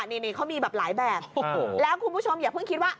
นี่เขามีแบบหลายแบบแล้วคุณผู้ชมอย่าเพิ่งคิดว่า